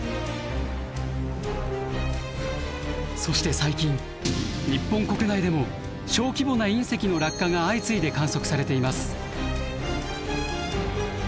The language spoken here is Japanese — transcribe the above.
そして最近日本国内でも小規模な隕石の落下が相次いで観測されています。